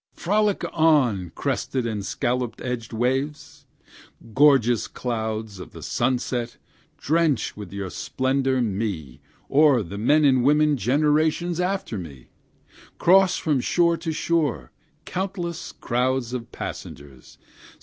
Frolic on, crested and scallop edged waves! Gorgeous clouds of the sunset, drench with your splendour me, or the men and women generations after me! Cross from shore to shore, countless crowds of passengers!